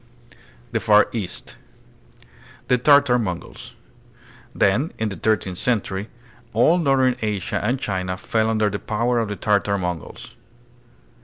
The Far East. The Tartar Mongols. Then in the thirteenth century all northern Asia and China fell under the power of the Tartar Mongols.